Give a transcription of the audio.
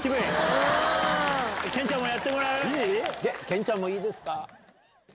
健ちゃんもいいですか。